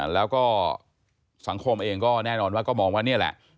แล้วก็สังคมเองก็แน่นอนว่าก็มองว่านี่แหละ